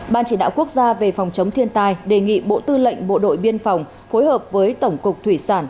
ban chỉ đạo quốc gia về phòng chống thiên tai đề nghị bộ tư lệnh bộ đội biên phòng phối hợp với tổng cục thủy sản